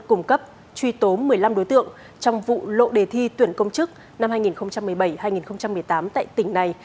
cung cấp truy tố một mươi năm đối tượng trong vụ lộ đề thi tuyển công chức năm hai nghìn một mươi bảy hai nghìn một mươi tám tại tỉnh này